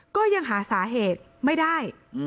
ก็ยังหาสาเหตุไม่ได้